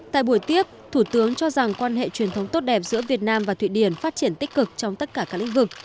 tại buổi tiếp thủ tướng cho rằng quan hệ truyền thống tốt đẹp giữa việt nam và thụy điển phát triển tích cực trong tất cả các lĩnh vực